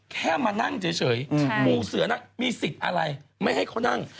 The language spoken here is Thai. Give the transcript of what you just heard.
แค่มานั่งเฉยปูเสือนั้นมีสิทธิ์อะไรไม่ให้เขานั่ง